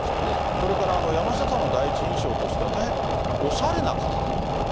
それから、山下さんの第一印象としては、大変おしゃれな方だと。